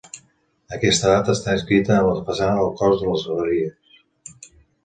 Aquesta data està inscrita a la façana del cos de les galeries.